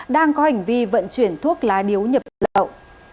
đang có hành vi vận chuyển thuốc lá điếu nhập lậu